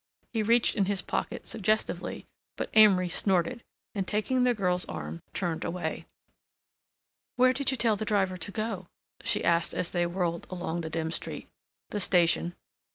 He reached in his pocket suggestively, but Amory snorted, and, taking the girl's arm, turned away. "Where did you tell the driver to go?" she asked as they whirled along the dim street. "The station."